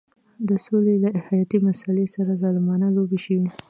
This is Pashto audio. د سولې له حیاتي مسلې سره ظالمانه لوبې شوې.